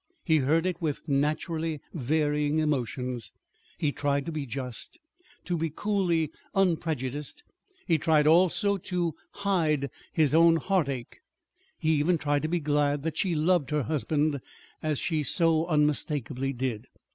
He heard it with naturally varying emotions. He tried to be just, to be coolly unprejudiced. He tried also, to hide his own heartache. He even tried to be glad that she loved her husband, as she so unmistakably did.